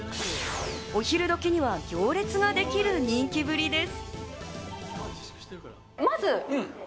お昼時には行列ができる人気ぶりです。